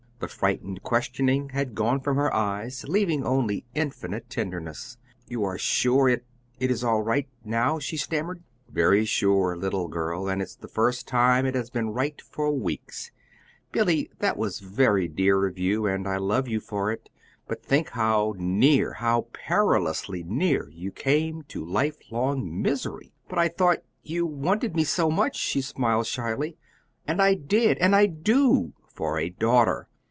The frightened questioning had gone from her eyes, leaving only infinite tenderness. "You are sure it it is all right now?" she stammered. "Very sure, little girl; and it's the first time it has been right for weeks. Billy, that was very dear of you, and I love you for it; but think how near how perilously near you came to lifelong misery!" "But I thought you wanted me so much," she smiled shyly. "And I did, and I do for a daughter.